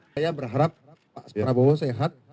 saya berharap pak prabowo sehat